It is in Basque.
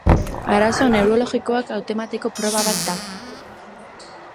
Arazo neurologikoak hautemateko proba bat da.